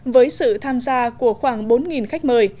với sự tham gia của khoảng bốn khách mời